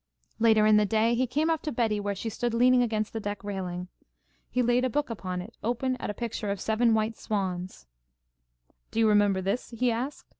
Later in the day he came up to Betty where she stood leaning against the deck railing. He laid a book upon it, open at a picture of seven white swans, "Do you remember this?" he asked.